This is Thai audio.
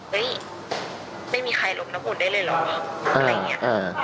ไม่มีใครลบน้ำอุ่นได้เลยเหรออะไรอย่างนี้